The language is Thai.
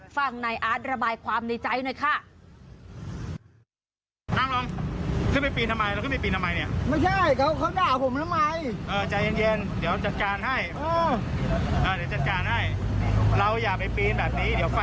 ฟังนายอาร์ตระบายความในใจหน่อยค่ะ